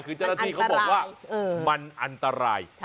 คือเจ้าหน้าที่เขาบอกว่ามันอันตราย